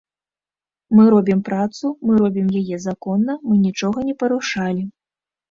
Мы робім працу, мы робім яе законна, мы нічога не парушалі.